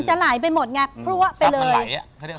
จะไหลไปหมดไงพรัวไปเลย